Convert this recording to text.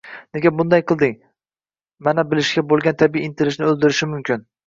“Nega bunday qilding?” – mana bilishga bo‘lgan tabiiy intilishni o‘ldirishi mumkin.